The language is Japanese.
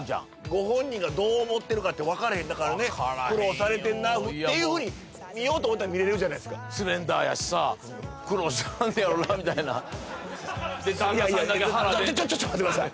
ご本人がどう思ってるかってわかれへんだからね苦労されてんなっていうふうに見ようと思ったら見れるじゃないですかんのやろなみたいな旦那さんだけ腹出ていやいやちょっと待ってください